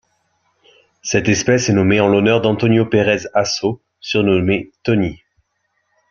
Cette espèce est nommée en l'honneur d'Antonio Pérez Asso, surnommé Tony.